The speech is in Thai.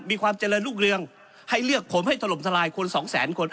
มีความเจริญรุ่งเรืองให้เลือกผมให้ถล่มทลายคนสองแสนคน